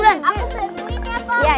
aku bantuin ya pak